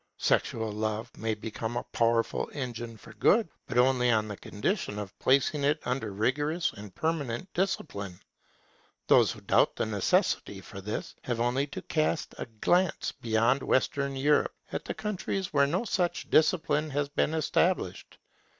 Sexual love may become a powerful engine for good: but only on the condition of placing it under rigorous and permanent discipline. Those who doubt the necessity for this, have only to cast a glance beyond Western Europe at the countries where no such discipline has been established.